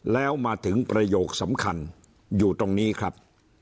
แล้วมาถึงประโยคสำคัญอยู่ตรงนี้ครับ